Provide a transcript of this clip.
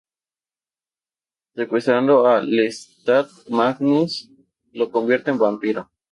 Secuestrando a Lestat, Magnus lo convierte en vampiro.